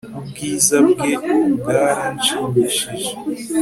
Ubwiza bwe bwaranshimishije